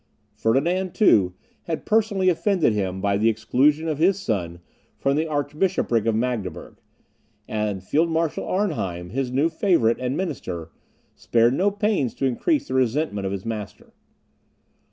Ferdinand, too, had personally offended him by the exclusion of his son from the archbishopric of Magdeburg; and field marshal Arnheim, his new favourite and minister, spared no pains to increase the resentment of his master.